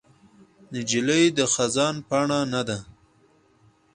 نجلۍ د خزان پاڼه نه ده.